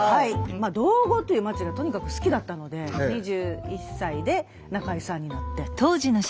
道後という街がとにかく好きだったので２１歳で仲居さんになって。